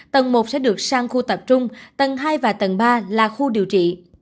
tầng một sẽ được sang khu tập trung tầng hai và tầng ba là khu điều trị